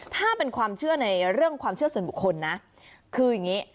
ถ้าเป็นความเชื่อในเรื่องความเชื่อส่วนบุคคลนะคืออย่างนี้